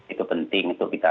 itu penting untuk kita